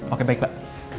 oke baik pak